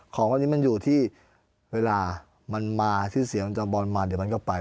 ของวันนี้มันอยู่ที่เวลามันมาชื่อเสียงมันจะบอลมาเดี๋ยวมันก็ไป